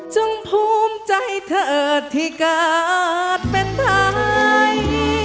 ภูมิใจเธอที่การเป็นไทย